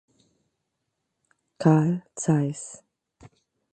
Carl Zeiss.